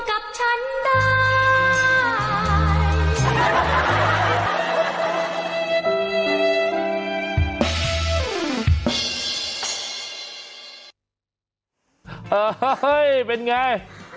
เออเฮ้ยเป็นไง